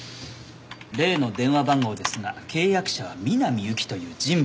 例の電話番号ですが契約者は南侑希という人物でした。